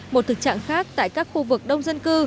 một thực trạng khác tại các khu vực đông dân cư